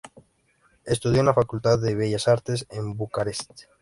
Estudió en la Facultad de Bellas Artes en Bucarest.